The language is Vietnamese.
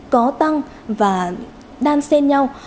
có tăng và đang sen nhau